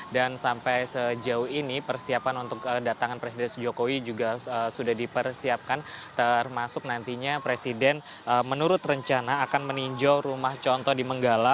sampai sejauh ini persiapan untuk datangan presiden jokowi juga sudah dipersiapkan termasuk nantinya presiden menurut rencana akan meninjau rumah contoh di menggala